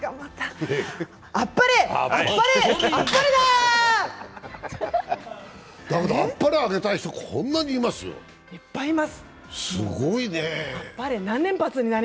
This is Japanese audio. だけどあっぱれあげたい人、こんなにいますよ、すごいな。